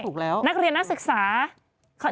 ใช่นักเรียนนักศึกษาใช่ถูกแล้ว